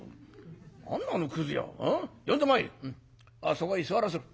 そこに座らせろ。